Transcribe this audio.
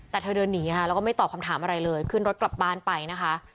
แต่เธอเดินหนีค่ะแล้วก็ไม่ตอบคำถามอะไรเลยขึ้นรถกลับบ้านไปนะคะ